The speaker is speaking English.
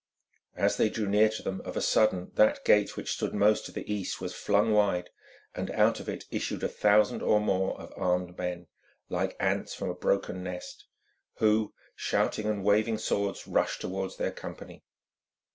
As they drew near to them of a sudden that gate which stood most to the east was flung wide, and out of it issued a thousand or more of armed men, like ants from a broken nest, who, shouting and waving swords, rushed towards their company.